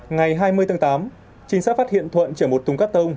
ngày hai mươi tháng tám trinh sát phát hiện thuận chở một thùng cắt tông